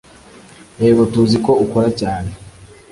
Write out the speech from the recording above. Yego, tuzi ko ukora cyane.